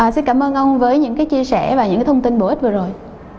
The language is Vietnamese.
xin cảm ơn ông với những chia sẻ và những thông tin bổ ích vừa rồi